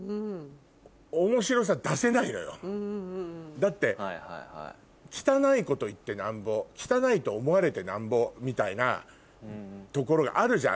だって汚いこと言ってなんぼ汚いと思われてなんぼみたいなところがあるじゃん